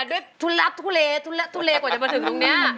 แต่ด้วยทรุระทุเลทุเลกว่าจะมาถึงตรงเนี้ย